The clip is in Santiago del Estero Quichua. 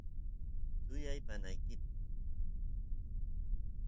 suyay panaykit